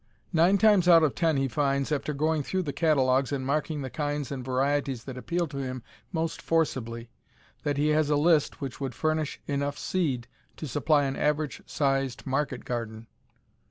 Nine times out of ten he finds, after going through the catalogues and marking the kinds and varieties that appeal to him most forcibly, that he has a list which would furnish enough seed to supply an average sized market garden.